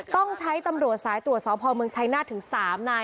ต้องใช้ตำรวจสายตรวจสอบพอเมืองชัยนาธิถึง๓นาย